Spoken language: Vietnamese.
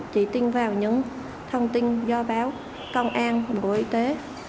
chị tin vào những thông tin do báo công an bộ y tế